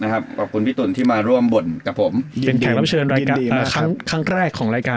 ขอบคุณที่มาร่วมบ่นกับผมและเป็นแขกรัมเชิญครั้งแรกของรายการ